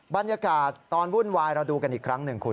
บรรยากาศตอนวุ่นวายเราดูกันอีกครั้งหนึ่งคุณ